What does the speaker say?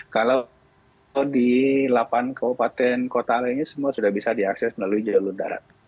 kalau di delapan kabupaten kota lainnya semua sudah bisa diakses melalui jalur darat